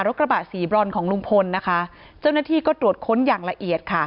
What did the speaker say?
กระบะสีบรอนของลุงพลนะคะเจ้าหน้าที่ก็ตรวจค้นอย่างละเอียดค่ะ